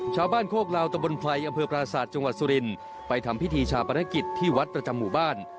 โคกลาวตะบนไพรอำเภอปราศาสตร์จังหวัดสุรินไปทำพิธีชาปนกิจที่วัดประจำหมู่บ้าน